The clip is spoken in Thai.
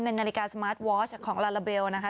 นาฬิกาสมาร์ทวอชของลาลาเบลนะคะ